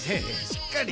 しっかり！